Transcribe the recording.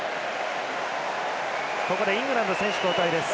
ここでイングランド選手交代です。